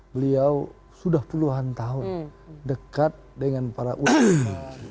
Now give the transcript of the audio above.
beliau sudah puluhan tahun dekat dengan para ulama